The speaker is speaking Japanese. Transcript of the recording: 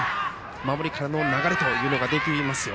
守りからの流れができますよ。